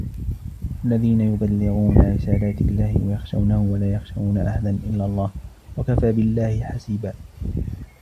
الَّذِينَ يُبَلِّغُونَ رِسَالَاتِ اللَّهِ وَيَخْشَوْنَهُ وَلَا يَخْشَوْنَ أَحَدًا إِلَّا اللَّهَ وَكَفَى بِاللَّهِ حَسِيبًا